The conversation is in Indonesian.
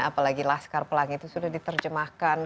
apalagi laskar pelangi itu sudah diterjemahkan